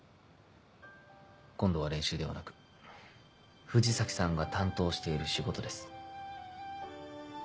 今度は練習ではなく藤崎さんが担当している仕事です。